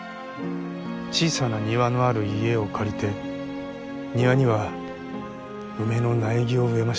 小さな庭のある家を借りて庭には梅の苗木を植えました。